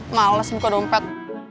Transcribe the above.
males buka dompet